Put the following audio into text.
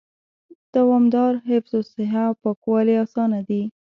دوامدار حفظ الصحه او پاکوالي آسانه دي